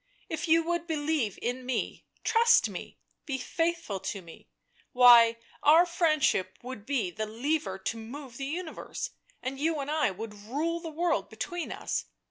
" If you would believe in me, trust me, be faithful to me — why, our friendship would be the lever to move the universe, and you and I would rule the world between us.